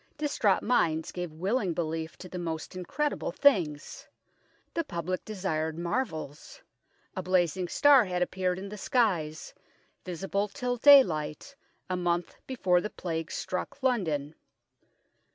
Distraught minds gave willing belief to the most incredible things. The public de sired marvels. A blazing star had appeared in the skies, visible till daylight, a month before the Plague struck London.